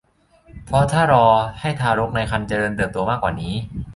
เพราะถ้ารอให้ทารกในครรภ์เจริญเติบโตมากกว่านี้